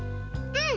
うん。